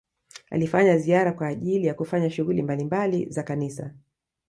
alifanya ziara kwa ajili ya kufanya shughuli mbalimbali za kanisa